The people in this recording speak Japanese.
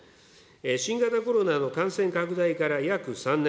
新型コロナの感染拡大から約３年。